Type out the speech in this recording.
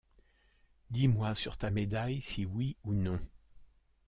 Dis-moi sur ta médaille, si oui ou non